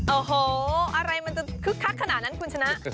โอ้โหอะไรมันจะคึกคักขนาดนั้นคุณชนะ